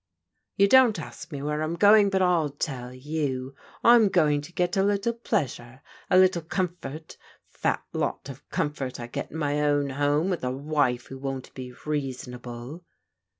" You don't ask me where I'm going, but I'll tell you. I'm going to get a little pleasure, a little comfort. Fat lot of comfort I get in my own home with a wife who won't be reasonable."